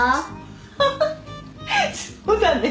ハハそうだね。